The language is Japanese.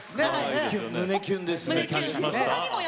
胸キュンです。